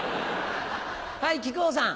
はい木久扇さん。